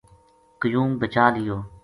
قیوم بچا لیو